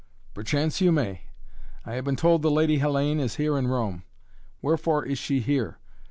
"Perchance you may. I have been told the Lady Hellayne is here in Rome. Wherefore is she here?